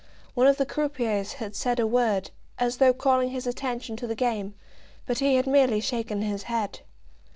One of the croupiers had said a word, as though calling his attention to the game, but he had merely shaken his head.